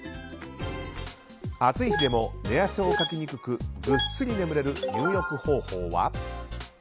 暑い日でも、寝汗をかきにくくぐっすり眠れる入浴方法は？